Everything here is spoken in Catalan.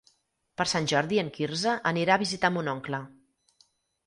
Per Sant Jordi en Quirze anirà a visitar mon oncle.